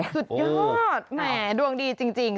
สุดยอดแหมดวงดีจริง